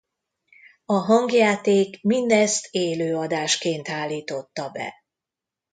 A hangjáték mindezt élő adásként állította be.